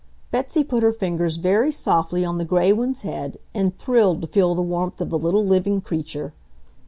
Betsy put her fingers very softly on the gray one's head and thrilled to feel the warmth of the little living creature.